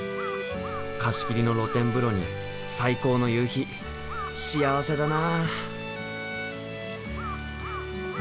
貸し切りの露天風呂に最高の夕日幸せだな。